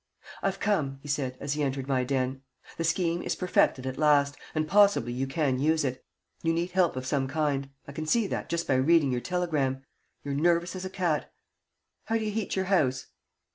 "I've come," he said, as he entered my den. "The scheme is perfected at last, and possibly you can use it. You need help of some kind. I can see that, just by reading your telegram. You're nervous as a cat. How do you heat your house?"